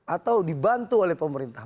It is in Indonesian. atau dibantu oleh pemerintah